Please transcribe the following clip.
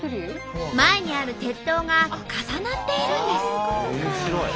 前にある鉄塔が重なっているんです。